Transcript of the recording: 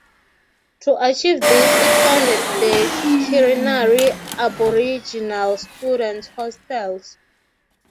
To achieve this it founded the Kirinari Aboriginal Students Hostels.